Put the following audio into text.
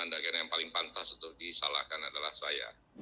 anda kira yang paling pantas itu disalahkan adalah saya